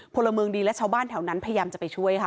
พลเมืองดีและชาวบ้านแถวนั้นพยายามจะไปช่วยค่ะ